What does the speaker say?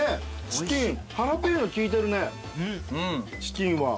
チキンハラペーニョ効いてるねチキンは。